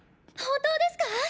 本当ですか？